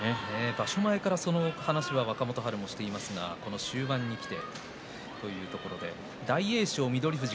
場所前からその話は若元春、していますがこの終盤にきてというところで大栄翔と翠富士